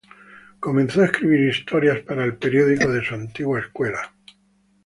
Comenzó a escribir historias para el periódico de su antigua escuela.